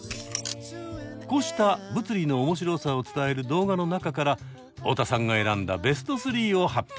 こうした物理の面白さを伝える動画の中から太田さんが選んだベスト３を発表！